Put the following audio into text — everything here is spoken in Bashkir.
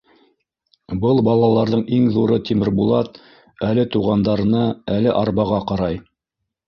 Был балаларҙың иң ҙуры Тимербулат әле туғандарына, әле арбаға ҡарай.